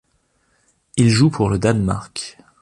Il joue pour le Danemark.